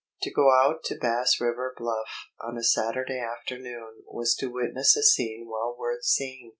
To go out to Bass River Bluff on a Saturday afternoon was to witness a scene well worth seeing.